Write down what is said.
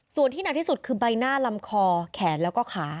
ส่วนที่หนักที่สุดคือใบหน้าลำคอแขนแล้วก็ขา